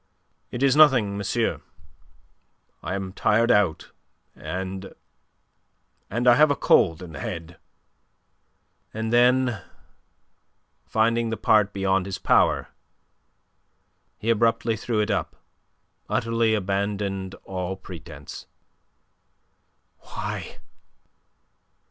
"It is nothing, monsieur. I am tired out, and... and I have a cold in the head." And then, finding the part beyond his power, he abruptly threw it up, utterly abandoned all pretence. "Why...